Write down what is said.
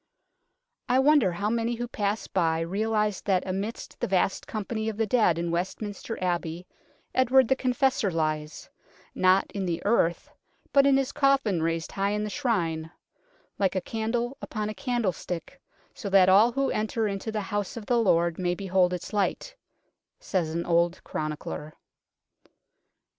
I wonder how many who pass by realize that amidst the vast company of the dead in West minster Abbey Edward the Confessor lies, not in the earth, but in his coffin raised high in this Shrine " like a candle upon a candlestick, so that all who enter into the House of the Lord may behold its light," says an old chronicler.